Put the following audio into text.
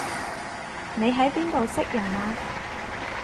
你喺邊度識人啊